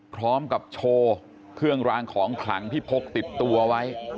พร้อมกับโชว์เครื่องรางของขลังที่พกติดตัวไว้